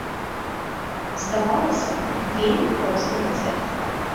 Здавалася б, вельмі просты рэцэпт.